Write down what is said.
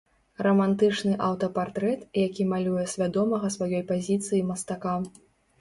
Рамантычны аўтапартрэт, які малюе свядомага сваёй пазіцыі мастака.